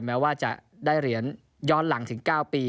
แม้ว่าจะได้เหรียญย้อนหลังถึง๙ปี